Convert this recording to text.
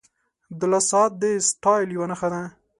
• د لاس ساعت د سټایل یوه نښه ده.